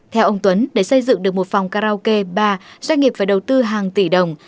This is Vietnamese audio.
theo ông tuấn để xây dựng được một phòng karaoke ba doanh nghiệp phải đầu tư hàng tỷ đồng